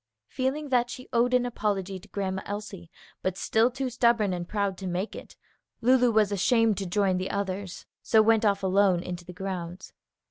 Feeling that she owed an apology to Grandma Elsie, but still too stubborn and proud to make it, Lulu was ashamed to join the others, so went off alone into the grounds.